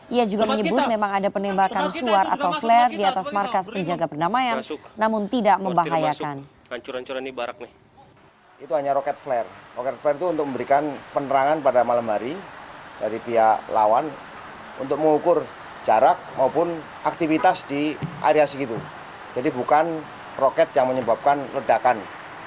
ia juga menyebut memang ada penembakan suar atau flare di atas markas penjaga perdamaian namun tidak membahayakan